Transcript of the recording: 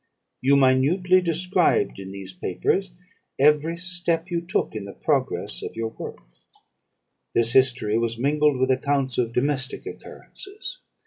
You minutely described in these papers every step you took in the progress of your work; this history was mingled with accounts of domestic occurrences.